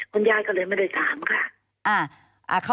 คุณยายก็เลยไม่ได้ถามค่ะ